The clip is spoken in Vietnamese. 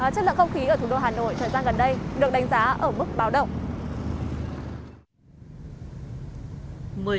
chất lượng không khí ở thủ đô hà nội thời gian gần đây được đánh giá ở mức báo động